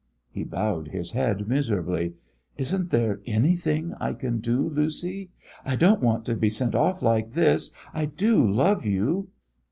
He bowed his head miserably. "Isn't there anything I can do, Lucy? I don't want to be sent off like this. I do love you!"